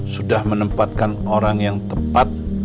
sudah menempatkan orang yang tepat